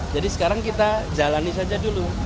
jadi sekarang kita jalani saja dulu